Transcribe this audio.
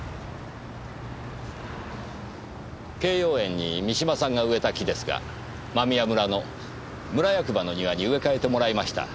敬葉園に三島さんが植えた木ですが間宮村の村役場の庭に植え替えてもらいました。